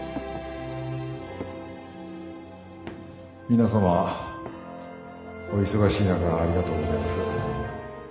皆様お忙しい中ありがとうございます。